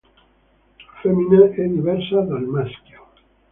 La femmina è diversa dal maschio.